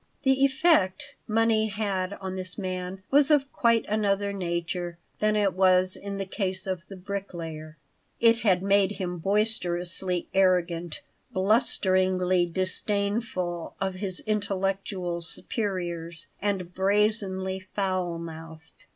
The effect money had on this man was of quite another nature than it was in the case of the bricklayer. It had made him boisterously arrogant, blusteringly disdainful of his intellectual superiors, and brazenly foul mouthed.